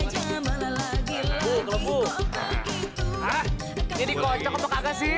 hah ini dikocok atau kagak sih